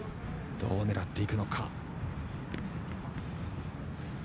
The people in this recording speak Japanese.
どう狙っていくのか。